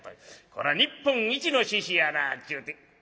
これは日本一の猪やなっちゅうて。